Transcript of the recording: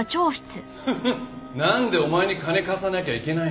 フフッなんでお前に金貸さなきゃいけないの？